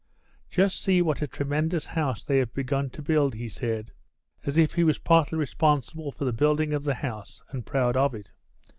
"Just see what a tremendous house they have begun to build," he said, as if he was partly responsible for the building of the house and proud of it.